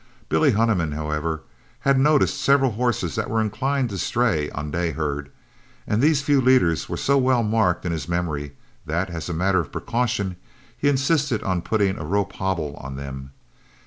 Billy Honeyman, however, had noticed several horses that were inclined to stray on day herd, and these few leaders were so well marked in his memory that, as a matter of precaution, he insisted on putting a rope hobble on them.